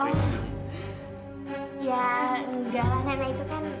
oh ya enggak lah nenek itu kan